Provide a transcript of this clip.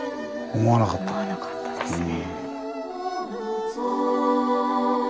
思わなかったですね。